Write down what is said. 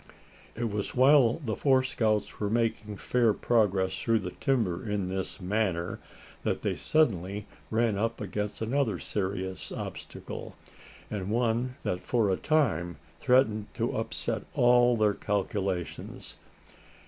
It was while the four scouts were making fair progress through the timber in this manner, that they suddenly ran up against another serious obstacle, and one that for a time threatened to upset all their calculations.